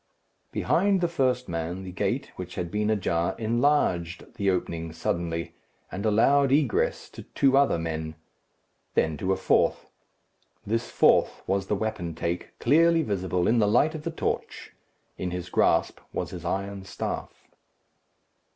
Behind the first man the gate, which had been ajar, enlarged the opening suddenly, and allowed egress to two other men; then to a fourth. This fourth was the wapentake, clearly visible in the light of the torch. In his grasp was his iron staff.